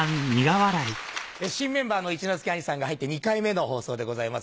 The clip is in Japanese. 新メンバーの一之輔兄さんが入って２回目の放送でございます。